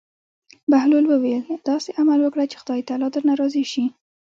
بهلول وویل: داسې عمل وکړه چې خدای تعالی درنه راضي شي.